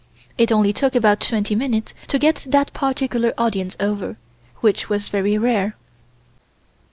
It only took about twenty minutes to get that particular audience over, which was very rare.